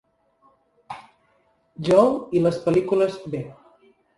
Joe i les pel·lícules B.